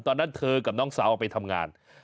ตอนนั้นเธอกับน้องสาวไปทำงาน